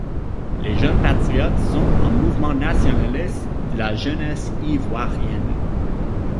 Les Jeunes patriotes sont un mouvement nationaliste de la jeunesse ivoirienne.